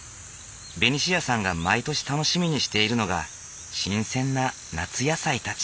ベニシアさんが毎年楽しみにしているのが新鮮な夏野菜たち。